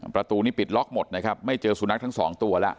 ประตูนี้ปิดล็อกหมดนะครับไม่เจอสุนัขทั้งสองตัวแล้ว